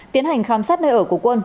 tiến hành khám sát nơi ở của quân